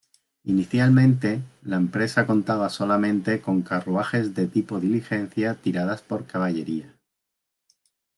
Inicialmente, la empresa contaba solamente con carruajes de tipo diligencia tiradas por caballería.